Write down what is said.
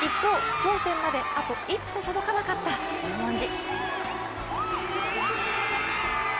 、頂点まであと一歩届かなかった十文字。